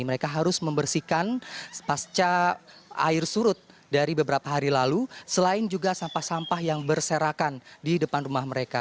mereka harus membersihkan pasca air surut dari beberapa hari lalu selain juga sampah sampah yang berserakan di depan rumah mereka